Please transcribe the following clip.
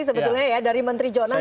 sebetulnya ya dari menteri jonan